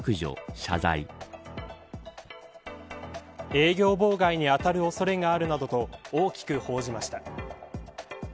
営業妨害に当たる恐れがあるなどと大きく報じました。